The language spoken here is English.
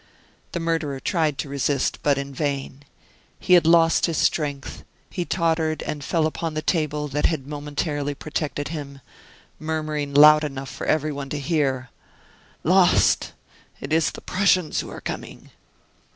The murderer tried to resist; but in vain. He had lost his strength: he tottered and fell upon the table that had momentarily protected him, murmuring loud enough for every one to hear: "Lost! It is the Prussians who are coming!"